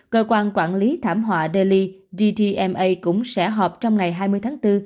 cơ quan quản lý thảm họa delhi dtma cũng sẽ họp trong ngày hai mươi tháng bốn